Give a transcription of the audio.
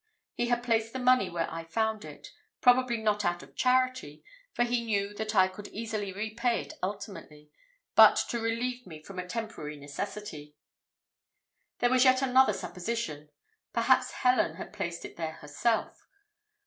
He had placed the money where I found it, probably not out of charity, for he knew that I could easily repay it ultimately, but to relieve me from a temporary necessity. There was yet another supposition perhaps Helen had placed it there herself.